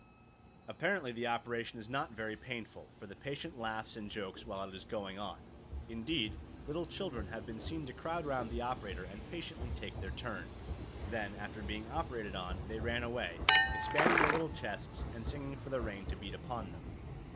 Apparently the operation is not very painful, for the patient laughs and jokes while it is going on. Indeed, little children have been seen to crowd round the operator and patiently take their turn; then after being operated on, they ran away, expanding their little chests and singing for the rain to beat upon them.